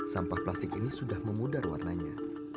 sampah plastik ini sudah memudar warnanya